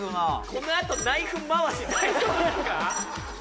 このあとナイフまわし大丈夫ですか